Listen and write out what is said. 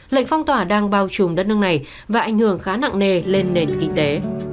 lệnh phong tỏa đang bao trùm đất nước này và ảnh hưởng khá nặng nề lên nền kinh tế